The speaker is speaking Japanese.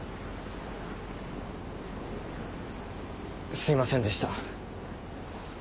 すいませんでした。